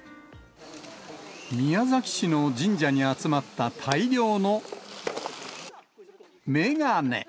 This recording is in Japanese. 宮崎市の神社に集まった大量の眼鏡。